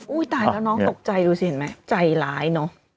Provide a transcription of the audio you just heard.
อุ้ยตายแล้วน้องตกใจดูสิเห็นมั้ยใจร้ายเนาะ